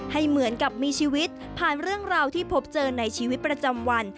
ให้เหมือนกับมีชีวิตผ่านเรื่องราวที่พบเจอในชีวิตประจำวัน